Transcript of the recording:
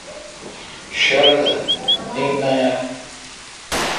شوردے نین نہ یال۔